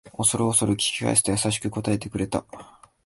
おそるおそる聞き返すと優しく答えてくれた